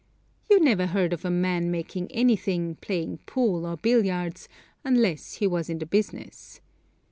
You never heard of a man making anything playing pool or billiards unless he was in the business.